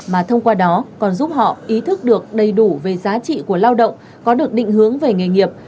mà thông qua đó còn giúp họ ý thức được đầy đủ về giá trị của lao động có được định hướng về nghề nghiệp